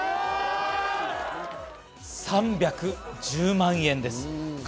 ３１０万円です。